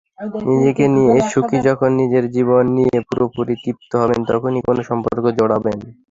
নিজেকে নিয়ে সুখীযখন নিজের জীবন নিয়ে পুরোপুরি তৃপ্ত হবেন, তখনই কোনো সম্পর্কে জড়াবেন।